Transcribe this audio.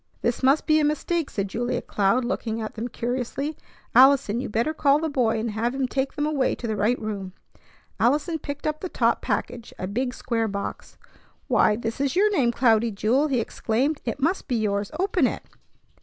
"This must be a mistake," said Julia Cloud, looking at them curiously. "Allison, you better call the boy and have him take them away to the right room." Allison picked up the top package, a big, square box. "Why, this is your name, Cloudy Jewel!" he exclaimed. "It must be yours. Open it!"